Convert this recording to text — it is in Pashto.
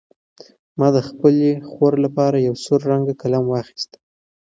ما د خپلې خور لپاره یو سور رنګه قلم واخیست.